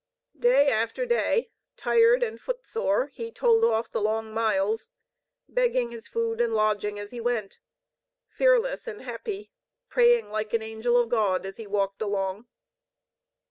Day after day, tired and footsore, he told off the long miles, begging his food and lodging as he went; fearless and happy, praying like an angel of God as he walked along.